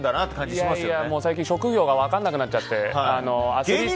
いやいや、最近もう職業が分からなくなっちゃって。